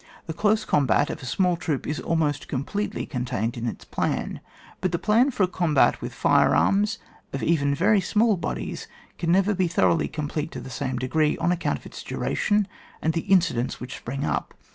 The dose combat of a small troop is al most completely contained in its plan; but the plan for a combat with fire arms of even very small bodies, can never be thoroughly complete to the same degree, on account of its duration, and the inci dents which spring up.